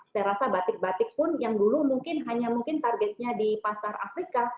saya rasa batik batik pun yang dulu mungkin hanya mungkin targetnya di pasar afrika